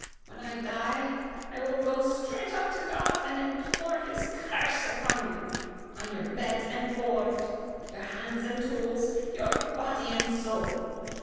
When I die I will go straight up to God and implore his curse upon you, on your bed and board, your hands and tools, your body and soul.